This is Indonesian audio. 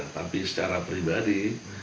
tapi secara pribadi